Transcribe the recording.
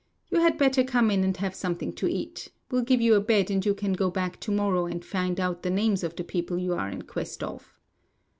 You had better come in and have something to eat; we'll give you a bed and you can go back to morrow and find out the names of the people you are in quest of."